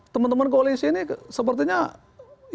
teman teman koalisi ini sepertinya yang mau melindungi kebanyakan orang